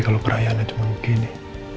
kalau perayaannya cuma begini